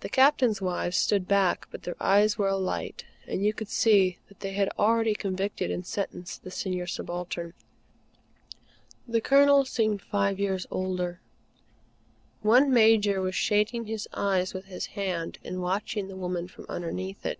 The Captains' wives stood back; but their eyes were alight, and you could see that they had already convicted and sentenced the Senior Subaltern. The Colonel seemed five years older. One Major was shading his eyes with his hand and watching the woman from underneath it.